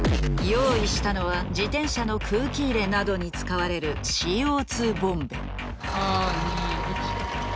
用意したのは自転車の空気入れなどに使われるＣＯ２ボンベ。